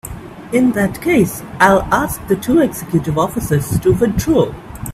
In that case I'll ask the two executive officers to withdraw.